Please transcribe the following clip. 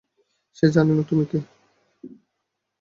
সে জানেনা তুমি কে।